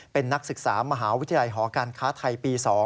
เป็นนักศึกษามหาวิทยาลัยหอการค้าไทยปี๒